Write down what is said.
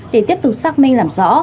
để tiếp tục xác minh làm rõ